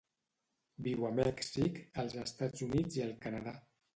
Viu a Mèxic, els Estats Units i el Canadà.